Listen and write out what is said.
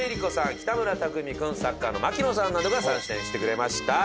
北村匠海君サッカーの槙野さんなどが参戦してくれました。